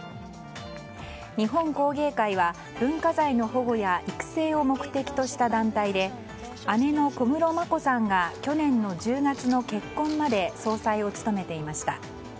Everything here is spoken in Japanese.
日本工芸会は文化財の保護や育成を目的とした団体で姉の小室眞子さんが去年の１０月の結婚まで総裁を務めていました。